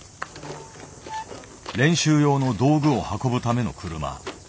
練習用の道具を運ぶための車。